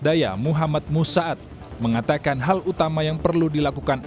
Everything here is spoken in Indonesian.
semua jembatan yang ada di sini kita tinggikan